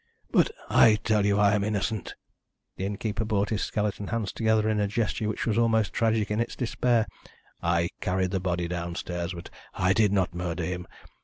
"But I tell you I am innocent." The innkeeper brought his skeleton hands together in a gesture which was almost tragic in its despair. "I carried the body downstairs, but I did not murder him.